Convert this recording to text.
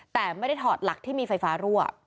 แต่ไม่ได้ถอดหลักที่มีไฟฟ้ารั่ว